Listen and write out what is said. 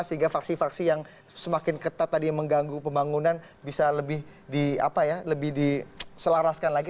sehingga faksi faksi yang semakin ketat tadi mengganggu pembangunan bisa lebih di selaraskan lagi